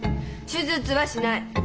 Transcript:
手術はしない。